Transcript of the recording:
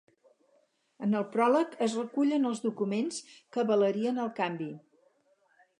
En el pròleg es recullen els documents que avalarien el canvi.